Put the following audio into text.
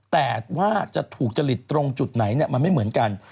แต่ว่าจะถูกจริตตรงจุดไหนมันไม่เหมือนกัน